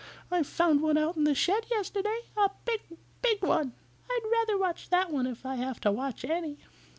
I found one out in the shed yesterday. A big, big one. I'd rather watch that one if I have to watch any."